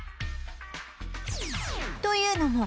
というのも